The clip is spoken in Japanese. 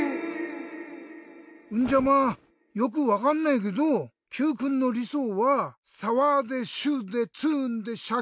んじゃまあよくわかんないけどＱくんのりそうはサワでシュッでツーンでシャキーンなのね。